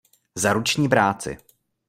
Za ruční práci!